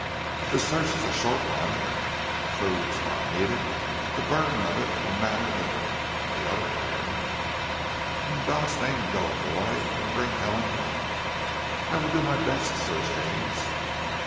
If the search is a short one, and the food not needed, the burden of it will matter little; on the other hand " "In God's name go, boy and bring Helen back!" "I will do my best, Sir James."